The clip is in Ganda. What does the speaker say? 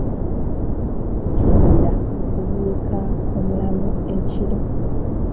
Kizira okuziika omulambo ekiro.